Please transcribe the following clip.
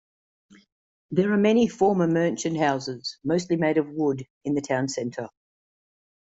There are many former merchant houses, mostly made of wood, in the town center.